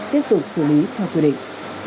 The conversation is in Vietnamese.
tiếp tục xử lý theo quy định